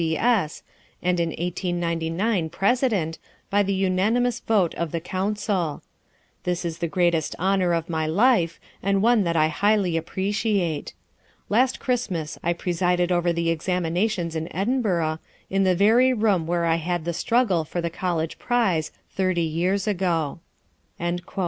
V.S., and in 1899 president, by the unanimous vote of the Council. This is the greatest honor of my life, and one that I highly appreciate. Last Christmas I presided over the examinations in Edinburgh, in the very room where I had the struggle for the college prize thirty years ago."